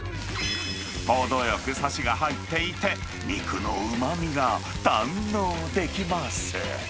程よくさしが入っていて、肉のうまみが堪能できます。